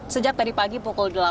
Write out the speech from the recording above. sejak tadi pagi pukul delapan